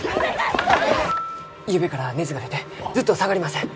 ゆうべから熱が出てずっと下がりません！